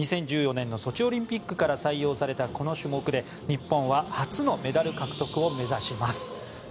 ２０１４年のソチオリンピックから採用されたこの種目で日本は初のメダルを目指します。